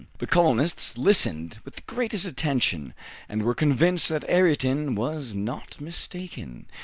The colonists listened with the greatest attention, and were convinced that Ayrton was not mistaken.